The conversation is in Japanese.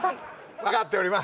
わかっております。